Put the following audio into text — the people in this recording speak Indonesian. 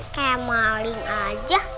kayak maling aja